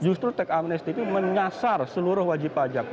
justru tech amnesty itu menyasar seluruh wajib pajak